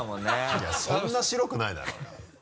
いやそんな白くないだろうよ。